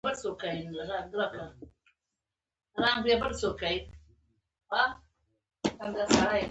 آیا افغاني ماډلونه لرو؟